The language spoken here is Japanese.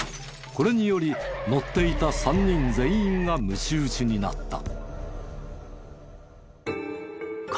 これにより乗っていた３人全員がむち打ちになった。